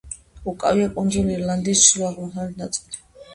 უკავია კუნძულ ირლანდიის ჩრდილო-აღმოსავლეთ ნაწილი.